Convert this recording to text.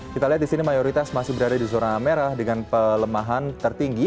kita lihat di sini mayoritas masih berada di zona merah dengan pelemahan tertinggi